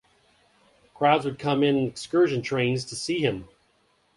Crowds would come in excursion trains to see him.